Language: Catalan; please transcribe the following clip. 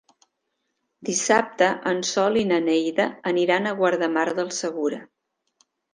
Dissabte en Sol i na Neida aniran a Guardamar del Segura.